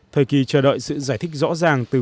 thời kỳ chờ đợi sự giải thích rõ ràng